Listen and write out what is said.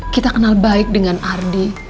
kita kenal baik dengan ardi